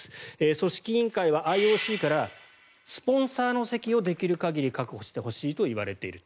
組織委員会はＩＯＣからスポンサーの席をできる限り確保してほしいといわれていると。